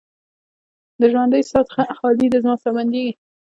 د ژوندۍ ساه څخه خالي ده، زما ساه بندیږې